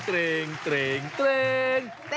เตรงเตรงเตรงเตรงเตรงเตรง